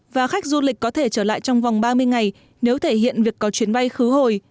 và khách du lịch có thể trở lại trong vòng ba mươi ngày nếu thể hiện việc có chuyến bay khứ hồi